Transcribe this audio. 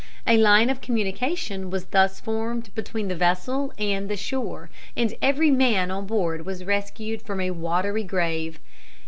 A line of communication was thus formed between the vessel and the shore, and every man on board was rescued from a watery grave.